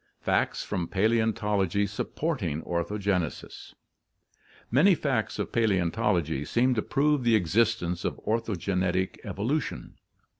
Facts from Paleontology Supporting Orthogenesis* — Many facts of Paleontology seem to prove the existence of orthogenetic evolution.